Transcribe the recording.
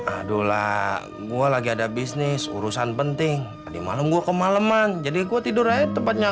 aduh lah gua lagi ada bisnis urusan penting di malam gua kemaleman jadi gua tidur aja tempatnya